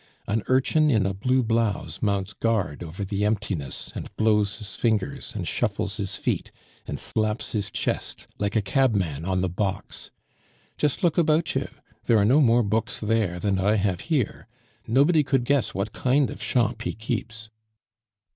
An urchin in a blue blouse mounts guard over the emptiness, and blows his fingers, and shuffles his feet, and slaps his chest, like a cabman on the box. Just look about you! there are no more books there than I have here. Nobody could guess what kind of shop he keeps."